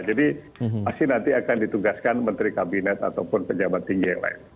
pasti nanti akan ditugaskan menteri kabinet ataupun pejabat tinggi yang lain